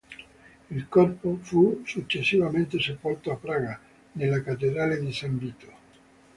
Il corpo fu successivamente sepolto a Praga, nella cattedrale di San Vito.